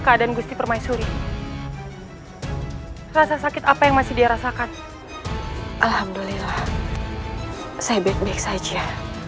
keadaan gusti permaisuri rasa sakit apa yang masih dia rasakan alhamdulillah saya baik baik saja